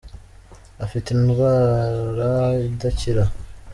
afite irwara idakira